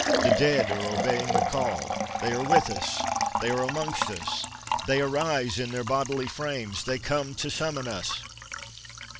The dead are obeying the call—they are with us—they are amongst us—they arise in their bodily frames—they come to summon us!"